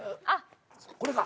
これか。